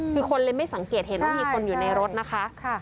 คือคนเลยไม่สังเกตเห็นว่ามีคนอยู่ในรถนะคะ